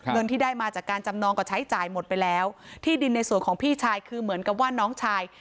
เงินที่ได้มาจากการจำนองก็ใช้จ่ายหมดไปแล้วที่ดินในส่วนของพี่ชายคือเหมือนกับว่าน้องชาย